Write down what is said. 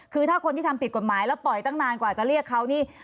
คือถ้าคนที่ทำผิดกฎหมายแล้วปล่อยตั้งนานกว่าจะเรียกเขานี่